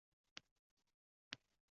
Bu dorlar ostida barcha millat bor